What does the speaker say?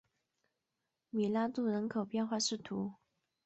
米拉杜人口变化图示